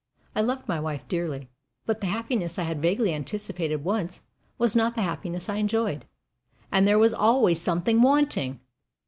I loved my wife dearly; but the happiness I had vaguely anticipated, once, was not the happiness I enjoyed, AND THERE WAS ALWAYS SOMETHING WANTING.